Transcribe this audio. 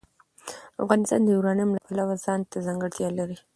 افغانستان د یورانیم د پلوه ځانته ځانګړتیا لري.